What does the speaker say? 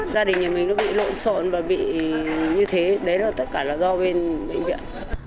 gia đình nhà mình nó bị lộn xộn và bị như thế đấy là tất cả là do bên bệnh viện